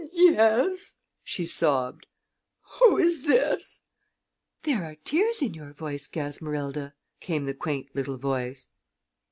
"Yes," she sobbed. "Who is this?" "There are tears in your voice, Gasmerilda," came the quaint little voice.